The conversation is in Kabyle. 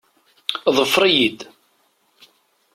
Ḍfeṛ-iyi-d.